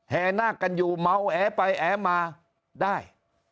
หน้ากันอยู่เมาแอไปแอมาได้